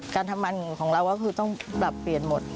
การทำบรรณของเราก็คือต้องเปลี่ยนหมด